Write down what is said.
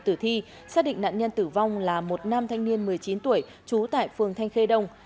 tử thi xác định nạn nhân tử vong là một nam thanh niên một mươi chín tuổi trú tại phường thanh khê đông